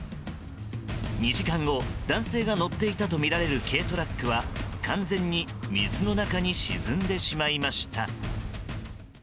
２時間後男性が乗っていたとみられる軽トラックは完全に水の中に沈んでしまいました。